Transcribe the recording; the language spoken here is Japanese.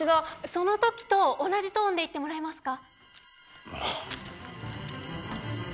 その時と同じトーンで言ってもらえますか？